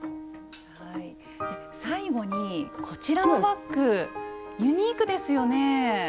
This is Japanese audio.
最後にこちらのバッグユニークですよね。